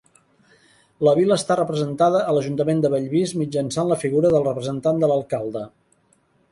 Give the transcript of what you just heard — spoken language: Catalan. La vila està representada a l'ajuntament de Bellvís mitjançant la figura del Representant de l'alcalde.